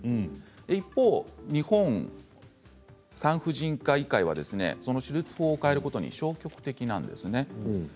一方、日本産婦人科医会は手術法を変えることに消極的なんです。